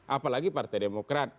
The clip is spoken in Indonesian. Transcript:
apalagi partai demokrat